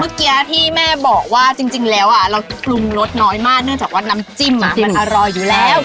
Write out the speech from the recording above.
เมื่อกี้ที่แม่บอกว่าจริงแล้วเราปรุงรสน้อยมากเนื่องจากว่าน้ำจิ้มมันอร่อยอยู่แล้ว